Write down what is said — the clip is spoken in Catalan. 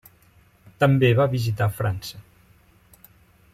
També va visitar França.